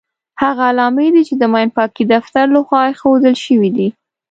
هغه علامې دي چې د ماین پاکۍ د دفتر لخوا ايښودل شوې دي.